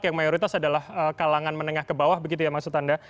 yang mayoritas adalah kalangan menengah ke bawah begitu ya maksud anda